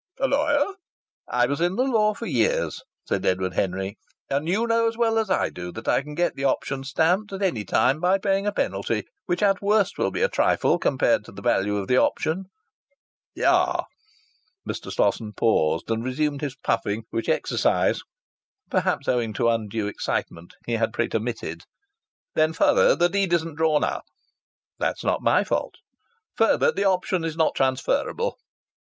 "A lawyer?" "I was in the law for years," said Edward Henry. "And you know as well as I do that I can get the option stamped at any time by paying a penalty which at worst will be a trifle compared to the value of the option." "Ah!" Mr. Slosson paused, and resumed his puffing, which exercise perhaps owing to undue excitement he had pretermitted. "Then further, the deed isn't drawn up." "That's not my fault." "Further, the option is not transferable."